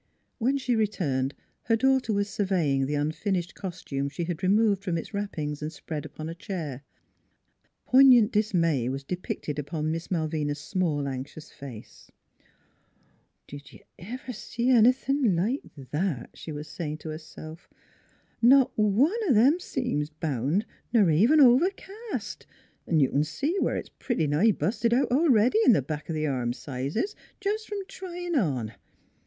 When she returned her daughter was surveying the unfinished costume she had removed from its wrappings and spread upon a chair. Poignant dis may was depicted upon Miss Malvina's small, anx ious face. " Did y' ever see th' like o' that? " she was say 52 NEIGHBORS ing to herself. " Not one o' them seams bound n'r even overcast; 'n' you c'n see where it's pretty nigh busted out a'ready in the back o' th' arm sizes, jes' from tryin' on.